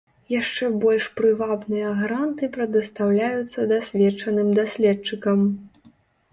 Яшчэ больш прывабныя гранты прадастаўляюцца дасведчаным даследчыкам.